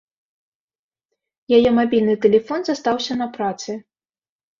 Яе мабільны тэлефон застаўся на працы.